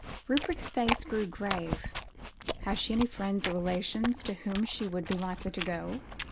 Rupert's face grew grave. "Has she any friends or relations to whom she would be likely to go?"